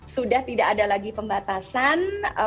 sudah tidak ada lagi pembatasan